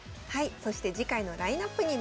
そして次回のラインナップになります。